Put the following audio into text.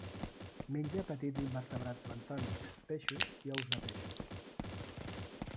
Menja petits invertebrats bentònics, peixos i ous de peixos.